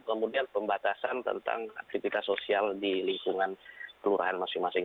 kemudian pembatasan tentang aktivitas sosial di lingkungan kelurahan masing masing